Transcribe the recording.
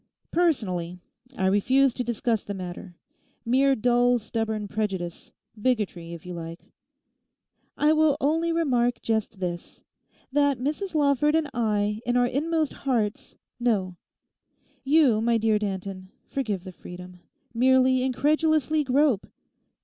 Personally, I refuse to discuss the matter. Mere dull, stubborn prejudice; bigotry, if you like. I will only remark just this—that Mrs Lawford and I, in our inmost hearts, know. You, my dear Danton, forgive the freedom, merely incredulously grope.